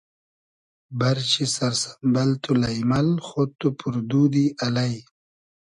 بئرچی سئر سئمبئل تو لݷمئل خۉد تو پور دودی الݷ